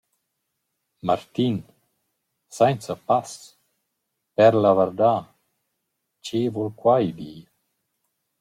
«Martin… sainza pass… per la vardà… Che voul quai dir?»